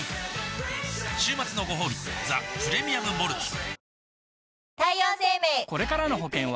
週末のごほうび「ザ・プレミアム・モルツ」おおーーッ